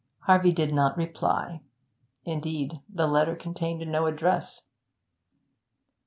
Harvey did not reply; indeed, the letter contained no address.